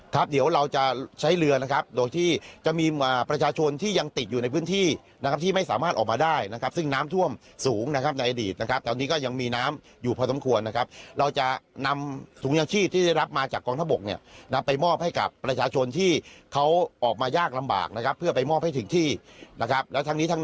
ครับเดี๋ยวเราจะใช้เรือนะครับโดยที่จะมีประชาชนที่ยังติดอยู่ในพื้นที่นะครับที่ไม่สามารถออกมาได้นะครับซึ่งน้ำท่วมสูงนะครับในอดีตนะครับตอนนี้ก็ยังมีน้ำอยู่พอสมควรนะครับเราจะนำถุงยางชีพที่ได้รับมาจากกองทบกเนี่ยนำไปมอบให้กับประชาชนที่เขาออกมายากลำบากนะครับเพื่อไปมอบให้ถึงที่นะครับแล้วทั้งนี้ทั้ง